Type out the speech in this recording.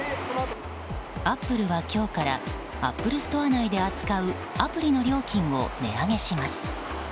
アップルは今日からアップルストア内で扱うアプリの料金を値上げします。